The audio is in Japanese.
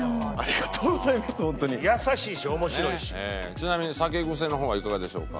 ちなみに酒癖の方はいかがでしょうか？